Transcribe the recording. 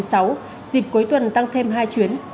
dịp cuối tuần tăng thêm hai chuyến